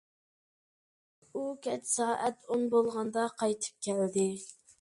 ئۇ كەچ سائەت ئون بولغاندا قايتىپ كەلدى.